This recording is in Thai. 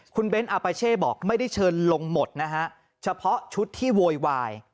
คุณเบ้นอาปาเช่บอกไม่ได้เชิญลงหมดนะฮะเฉพาะชุดที่โวยวาย